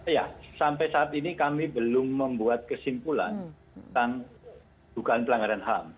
ya sampai saat ini kami belum membuat kesimpulan tentang dugaan pelanggaran ham